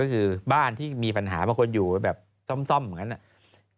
ก็คือบ้านที่มีปัญหาบางคนอยู่แบบซ่อมเหมือนกัน